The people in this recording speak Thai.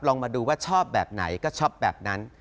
ลองมาดูว่าชอบแบบไหนก็ชอบแบบนั้น